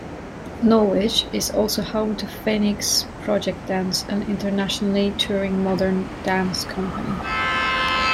Norwich, is also home to Phoenix Project Dance, an internationally touring modern dance company.